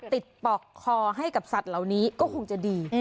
ปอกคอให้กับสัตว์เหล่านี้ก็คงจะดี